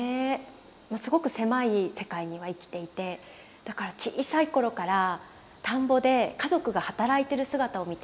まあすごく狭い世界には生きていてだから小さい頃から田んぼで家族が働いてる姿を見て育った。